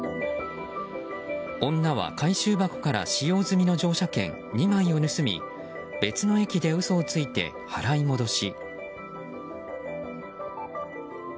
女は回収箱から使用済みの乗車券２枚を盗み別の駅で嘘をついて払い戻し。